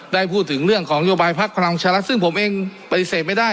ได้พูดถึงเรื่องของนโยบายพักพลังประชารัฐซึ่งผมเองปฏิเสธไม่ได้